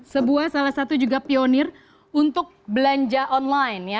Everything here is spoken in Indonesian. sebuah salah satu juga pionir untuk belanja online ya